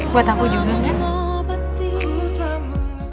buat aku juga kan